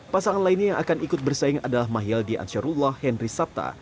pasangan lainnya yang akan ikut bersaing adalah mahyaldi ansyarullah henry sabta